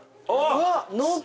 うわ濃厚！